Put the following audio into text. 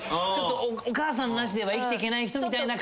お母さんなしでは生きていけない人みたいな。